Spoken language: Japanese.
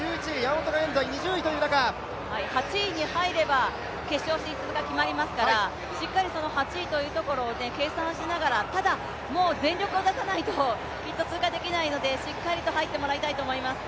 ８位に入れば決勝進出が決まりますから、しっかりその８位を計算しながら、ただ全力を出し切らないときっと通過できないのでしっかりと入ってもらいたいと思います。